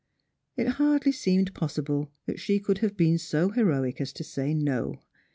It hardly seemed possible that she could have been so heroic as to say no.